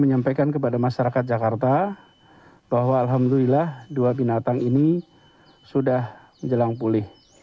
menyampaikan kepada masyarakat jakarta bahwa alhamdulillah dua binatang ini sudah menjelang pulih